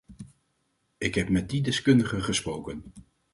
Ik heb met die deskundigen gesproken.